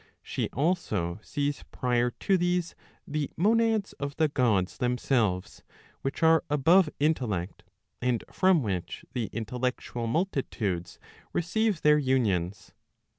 She also sees prior to these, the monads of the Gods themselves which are above intellect, and from which the intellectual multitudes receive their unious.